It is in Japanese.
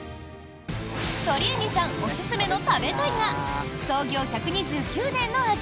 鳥海さんおすすめの食べたいが創業１２９年の味